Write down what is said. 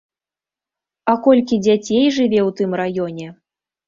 А колькі дзяцей жыве ў тым раёне.